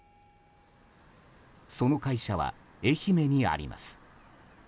その会社は、愛媛にあります。